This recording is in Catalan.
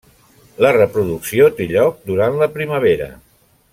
La reproducció té lloc durant la primavera.